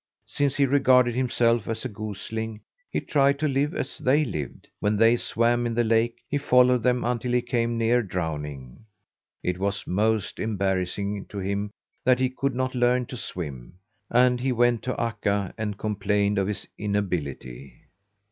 Since he regarded himself as a gosling, he tried to live as they lived; when they swam in the lake he followed them until he came near drowning. It was most embarrassing to him that he could not learn to swim, and he went to Akka and complained of his inability.